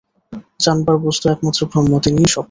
জানবার বস্তু একমাত্র ব্রহ্ম, তিনিই সব।